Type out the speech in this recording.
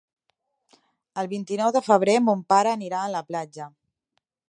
El vint-i-nou de febrer mon pare anirà a la platja.